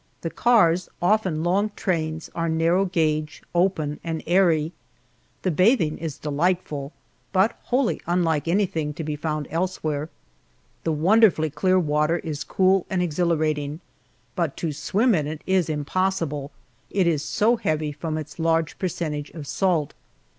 The cars, often long trains, are narrow gauge, open, and airy. The bathing is delightful, but wholly unlike anything to be found elsewhere. The wonderfully clear water is cool and exhilarating, but to swim in it is impossible, it is so heavy from its large percentage of salt.